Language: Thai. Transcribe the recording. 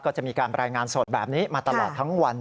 ก็จะมีการรายงานสดแบบนี้มาตลอดทั้งวัน